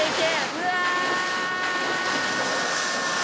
うわ！